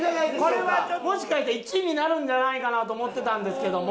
もしかして１位になるんじゃないかなと思ってたんですけども。